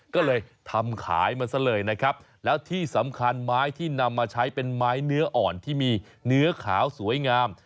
ก็เลยทำขายมันซะเลยนะครับแล้วที่สำคัญไม้ที่นำมาใช้เป็นไม้เนื้ออ่อนที่มีเนื้อขาวสวยงาม